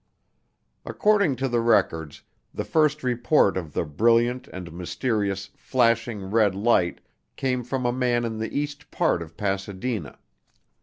According to the records, the first report of the brilliant and mysterious, flashing, red light came from a man in the east part of Pasadena.